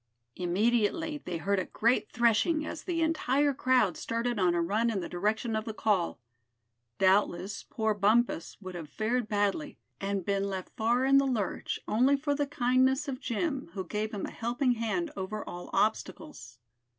Immediately they heard a great threshing, as the entire crowd started on a run in the direction of the call. Doubtless poor Bumpus would have fared badly, and been left far in the lurch, only for the kindness of Jim, who gave him a helping hand over all obstacles.